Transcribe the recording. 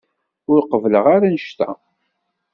Ur qebbleɣ ara annect-a.